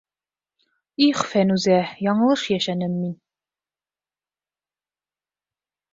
Их, Фәнүзә, яңылыш йәшәнем мин.